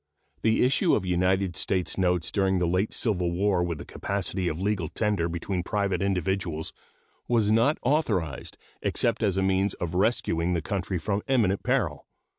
The issue of United States notes during the late civil war with the capacity of legal tender between private individuals was not authorized except as a means of rescuing the country from imminent peril.